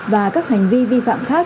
và các hành vi vi phạm khác